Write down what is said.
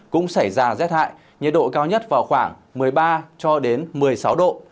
cũng xảy ra rét hại nhiệt độ cao nhất vào khoảng một mươi ba cho đến một mươi sáu độ